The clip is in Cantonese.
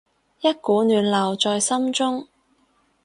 一股暖流在心中